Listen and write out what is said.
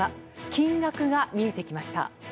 金額が見えてきました。